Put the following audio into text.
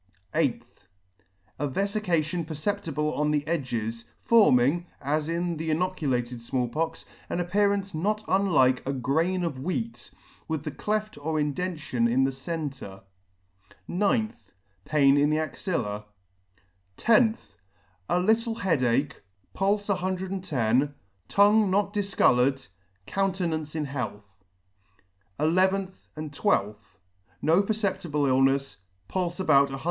8th. A vefication perceptible on the edges, forming, as in the inoculated Small Pox, an appearance not unlike a grain of wheat, with the cleft or indention in the centre. gth. Pain in the axilla, loth. A little head ache ; pulfe no* tongue not difcoloured ; countenance in health. nth. — 12th. No perceptible illnefs ; pulfe about 100.